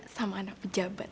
sama anak pejabat